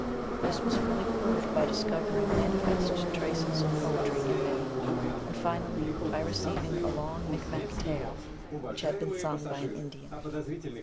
This was fully proved by discovering manifest traces of poetry in many, and finally by receiving a long Micmac tale which had been sung by an Indian.